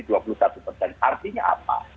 tapi artinya apa